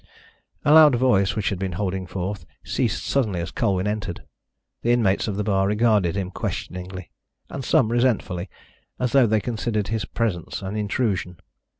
A loud voice which had been holding forth ceased suddenly as Colwyn entered. The inmates of the bar regarded him questioningly, and some resentfully, as though they considered his presence an intrusion.